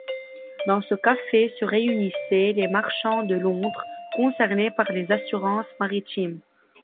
Dans ce café se réunissaient les marchands de Londres concernés par les assurances maritimes.